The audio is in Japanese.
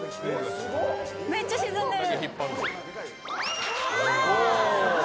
めっちゃ沈んでる。